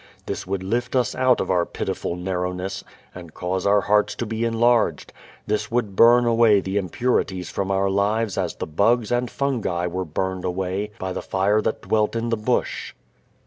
This would lift us out of our pitiful narrowness and cause our hearts to be enlarged. This would burn away the impurities from our lives as the bugs and fungi were burned away by the fire that dwelt in the bush.